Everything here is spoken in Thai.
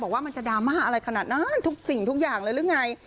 ว่ามันจะดราม่าอะไรขนาดนั้นทุกสิ่งทุกอย่างเลยหรือไง